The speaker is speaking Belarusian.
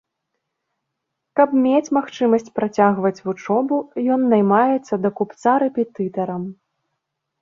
Каб мець магчымасць працягваць вучобу, ён наймаецца да купца рэпетытарам.